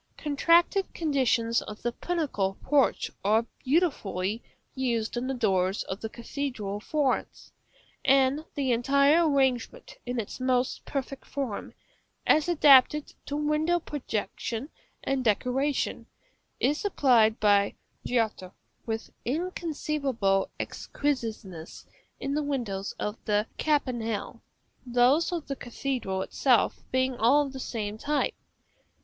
Contracted conditions of the pinnacle porch are beautifully used in the doors of the cathedral of Florence; and the entire arrangement, in its most perfect form, as adapted to window protection and decoration, is applied by Giotto with inconceivable exquisiteness in the windows of the campanile; those of the cathedral itself being all of the same type.